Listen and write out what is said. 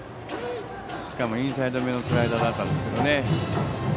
しかもインサイドのスライダーだったんですけどね。